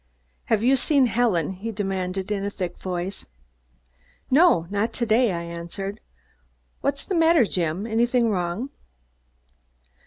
"Have you seen Helen?" he demanded in a thick voice. "No. Not to day," I answered. "What's the matter, Jim? Anything wrong?"